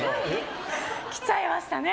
来ちゃいましたね。